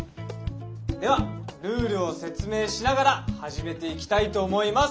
ではルールを説明しながら始めていきたいと思います。